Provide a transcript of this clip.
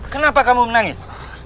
kenapa kamu menangis